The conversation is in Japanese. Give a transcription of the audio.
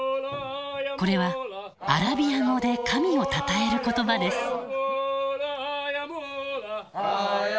これはアラビア語で神をたたえる言葉です。